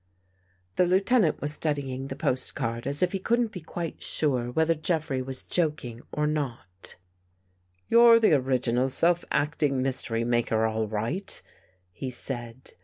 The Lieutenant was studying the postcard as if he couldn't be quite sure whether Jeffrey was joking or no. 99 THE GHOST GIRL " You're the original, self acting mystery maker, all right," he said.